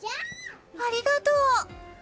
ありがとう！